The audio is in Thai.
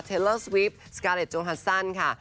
เลอร์สวิปสกาเลสโงฮัสซันค่ะ